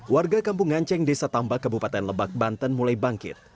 warga kampung nganceng desa tambak kabupaten lebak banten mulai bangkit